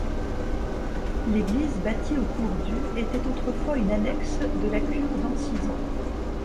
L'église bâtie au cours du était autrefois une annexe de la cure d'Ancizan.